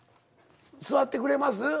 座ってくれます？